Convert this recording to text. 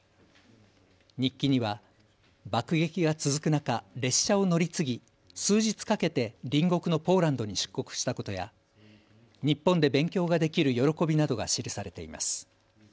日記には爆撃が続く中列車を乗り継ぎ数日かけて隣国のポーランドに出国したことや日本で勉強ができる喜びなどが記されています。